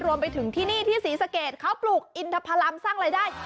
รวมไปถึงที่นี่ที่ศรีสะเกดเขาปลูกอินทพลัมสร้างรายได้